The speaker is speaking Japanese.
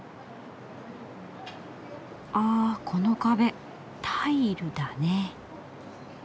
あこの壁タイルだね。